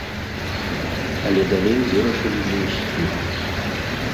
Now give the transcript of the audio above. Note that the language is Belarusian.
Але далей вырашылі не ісці.